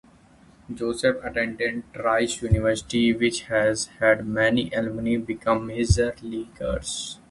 Joseph attended Rice University, which has had many alumni become Major Leaguers.